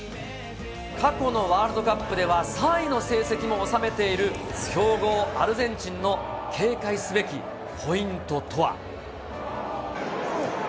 過去のワールドカップでは、３位の成績も収めている強豪アルゼンチンの警戒すべきポイントとは。